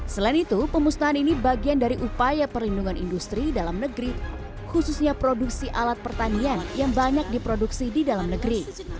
selain itu pemusnahan ini bagian dari upaya perlindungan industri dalam negeri khususnya produksi alat pertanian yang banyak diproduksi di dalam negeri